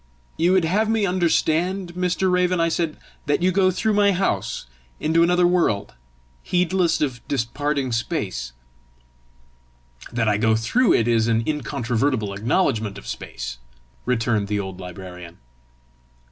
"You would have me then understand, Mr. Raven," I said, "that you go through my house into another world, heedless of disparting space?" "That I go through it is an incontrovertible acknowledgement of space," returned the old librarian.